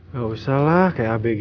gak usah lah kayak abg aja sih